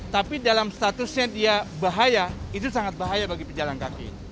tapi dalam statusnya dia bahaya itu sangat bahaya bagi pejalan kaki